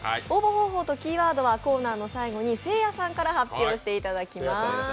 応募方法とキーワードは番組の後半にせいやさんから発表していただきます。